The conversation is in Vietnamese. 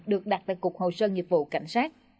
được đặt tại cục hội sơ nghị vụ cảnh sát